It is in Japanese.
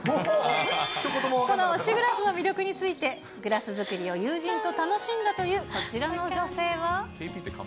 この推しグラスの魅力についてグラス作りを友人と楽しんだというこちらの女性は。